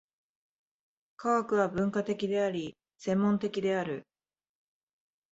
科学は分科的であり、専門的である。